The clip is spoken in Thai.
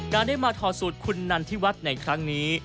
การได้มาทอสุดคุณนันทิวัฒน์ในครั้งนี้